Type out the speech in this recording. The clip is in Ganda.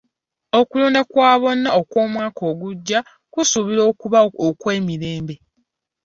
Okulonda kwa bonna okw'omwaka ogujja kusuubirwa okuba okw'emirembe.